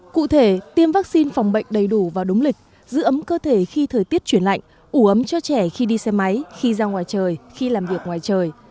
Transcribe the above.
cụ thể tiêm vaccine phòng bệnh đầy đủ và đúng lịch giữ ấm cơ thể khi thời tiết chuyển lạnh ủ ấm cho trẻ khi đi xe máy khi ra ngoài trời khi làm việc ngoài trời